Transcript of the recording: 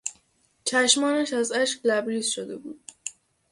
چشمانش از اشک لبریز شده بود.